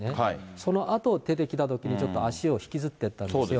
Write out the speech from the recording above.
そのあと出てきたときに、ちょっと足を引きずってたんですよ。